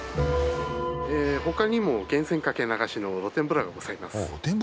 他にも源泉かけ流しの露天風呂がございます。